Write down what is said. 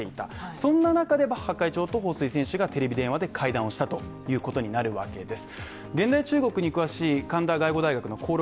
そんな中でバッハ会長と彭帥選手がテレビ電話で会談をしたということになるわけです